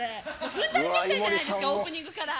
踏んだり蹴ったりじゃないですかオープニングから。